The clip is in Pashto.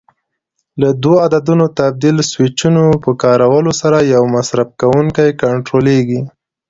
له دوو عددونو تبدیل سویچونو په کارولو سره یو مصرف کوونکی کنټرولېږي.